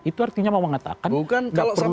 itu artinya mau mengatakan nggak perlu